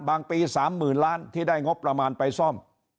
บางปีสามหมื่นล้านที่ได้งบประมาณไปซ่อม